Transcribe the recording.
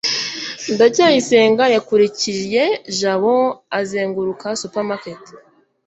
ndacyayisenga yakurikiye jabo azenguruka supermarket